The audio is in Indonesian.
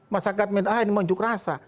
masyarakat minta ah ini mau unjuk rasa